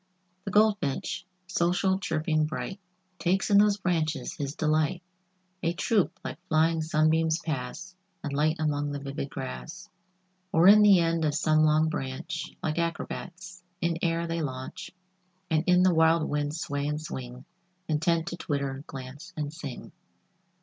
The Goldfinch, social, chirping, bright, Takes in those branches his delight. A troop like flying sunbeams pass And light among the vivid grass, Or in the end of some long branch, Like acrobats, in air they launch, And in the wild wind sway and swing, Intent to twitter, glance and sing.